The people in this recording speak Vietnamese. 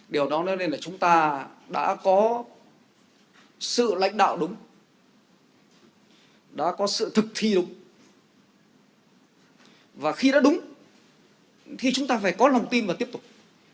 điều đó nói nên là chúng ta đã có sự lãnh đạo đúng đã có sự thực thi đúng và khi đã đúng thì chúng ta phải có lòng tin và tiếp tục